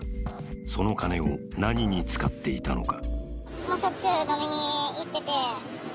その金を何に使っていたのか。